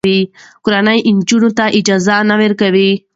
کورنۍ نجونو ته اجازه نه ورکوي.